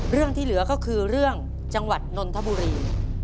เรื่องที่เหลือก็คือเรื่องจังหวัดนนทบุรี